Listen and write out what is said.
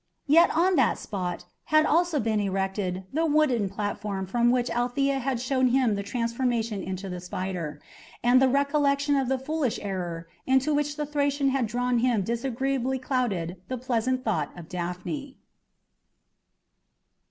Yet on that spot had also been erected the wooden platform from which Althea had showed him the transformation into the spider, and the recollection of the foolish error into which the Thracian had drawn him disagreeably clouded the pleasant thought of Daphne.